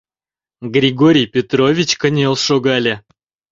Григорий Петрович кынел шогале.